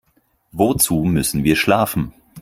Wozu müssen wir schlafen?